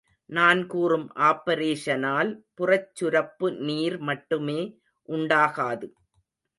நான் கூறும் ஆப்பரேஷனால் புறச் சுரப்பு நீர் மட்டுமே உண்டாகாது.